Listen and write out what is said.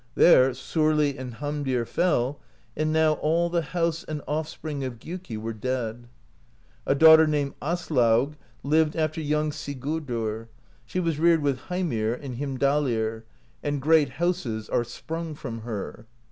There Sorli and Hamdir fell, and now all the house and offspring of Gjiiki were dead. A daughter named Aslaug lived after young Sigurdr; she was reared with Heimir in Hlymdalir, and great houses are sprung from her.